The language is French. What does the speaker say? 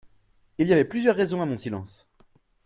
Il y avait plusieurs raisons a mon silence.